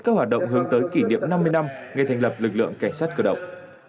các hoạt động hướng tới kỷ niệm năm mươi năm ngày thành lập lực lượng cảnh sát cơ động